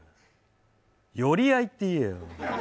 寄り合いって言えよ。